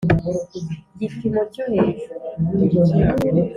gipimo cyo hejuru